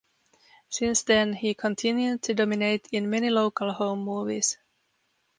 Since then he continued to dominate in many local home movies.